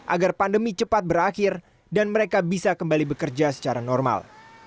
agar pandemi cepat berakhir dan mereka bisa kembali bekerja secara normal